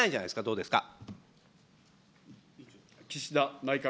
どうですか。